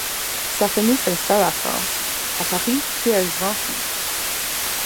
Sa famille s'installe en France, à Paris puis à Drancy.